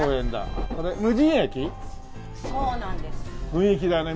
雰囲気だね。